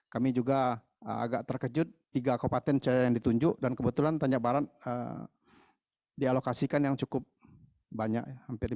kami juga agak terkejut tiga kabupaten yang ditunjuk dan kebetulan tanja barat dialokasikan yang cukup banyak hampir lima puluh